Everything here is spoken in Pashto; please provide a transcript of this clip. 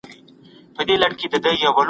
په هغه ګړي له لاري را ګوښه سول